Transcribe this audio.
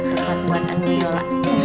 kita kekuat kuatan bu yola